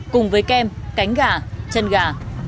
cùng với kem cánh gà chân gà